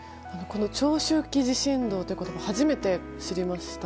長周期地震動という言葉初めて知りました。